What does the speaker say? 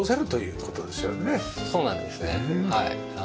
そうなんですねはい。